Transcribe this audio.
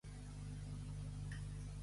Posar en fonya.